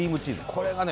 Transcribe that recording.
これがね